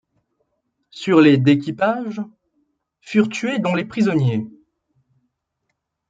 Sur les d'équipages, furent tués dont les prisonniers.